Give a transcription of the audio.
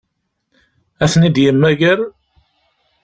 Ad ten-id-yemmager?